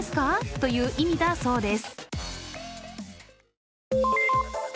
という意味だそうです。